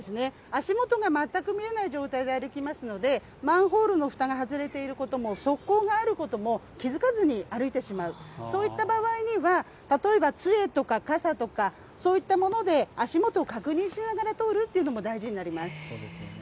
足元が全く見えない状態で歩きますので、マンホールのふたが外れていることも、側溝があることも気付かずに歩いてしまう、そういった場合には、例えば、つえとか、傘とか、そういったもので、足元を確認しながら、通るっていうのそうですよね。